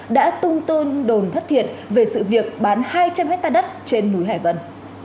đã tung tôn đồn thất thiệt về sự việc bán hai trăm linh hectare đất trên núi hải vân